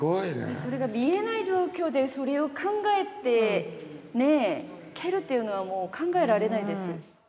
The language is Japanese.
それが見えない状況でそれを考えて蹴るっていうのは考えられないです。